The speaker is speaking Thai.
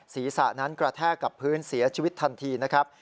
ศีรษะนั้นกระแทกกับพื้นเสียชีวิตทันทีนะครับ